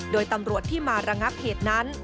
โดยตำรวจที่มาระงับเหตุนั้น